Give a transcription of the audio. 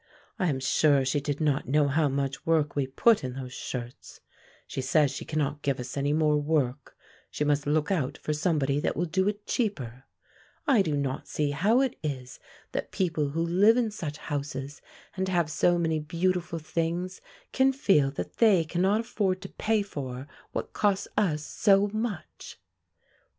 "I am sure she did not know how much work we put in those shirts. She says she cannot give us any more work; she must look out for somebody that will do it cheaper. I do not see how it is that people who live in such houses, and have so many beautiful things, can feel that they cannot afford to pay for what costs us so much."